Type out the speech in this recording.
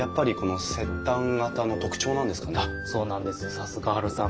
さすがハルさん。